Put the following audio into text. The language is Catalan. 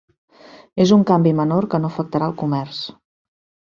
És un canvi menor que no afectarà el comerç.